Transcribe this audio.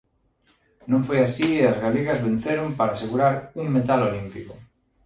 Non foi así e as galegas venceron para asegurar un metal olímpico.